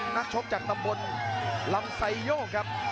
นักชกจากตำบลลำไซโยกครับ